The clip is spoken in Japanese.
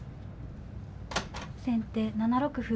先手７六歩。